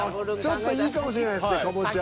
ちょっといいかもしれないですねカボチャ。